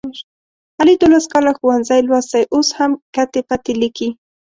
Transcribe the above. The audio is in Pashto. علي دوولس کاله ښوونځی لوستی اوس هم کتې پتې لیکي.